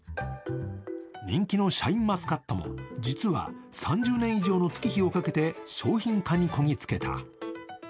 人気のシャインマスカットも実は３０年以上の月日をかけて商品化にこぎつけた。